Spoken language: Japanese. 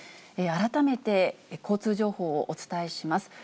改めて交通情報をお伝えします。